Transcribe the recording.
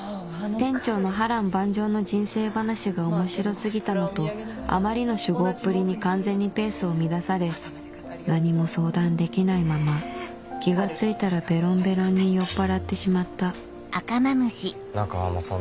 店長の波瀾万丈の人生話が面白過ぎたのとあまりの酒豪っぷりに完全にペースを乱され何も相談できないまま気が付いたらベロンベロンに酔っぱらってしまった中浜さん